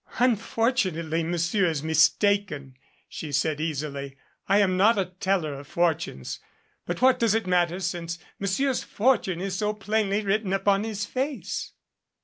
"Unfortunately Monsieur is mistaken," she said easily. "I am not a teller of fortunes. But what does it matter since Monsieur's fortune is so plainly written upon his face."